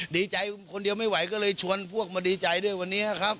ดีใจคนเดียวไม่ไหวก็เลยชวนพวกมาดีใจด้วยวันนี้ครับ